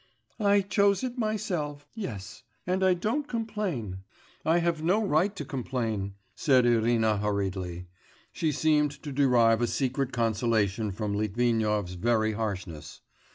'I chose it myself, yes ... and I don't complain, I have no right to complain,' said Irina hurriedly; she seemed to derive a secret consolation from Litvinov's very harshness.